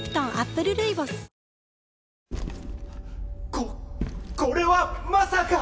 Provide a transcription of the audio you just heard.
ここれはまさか。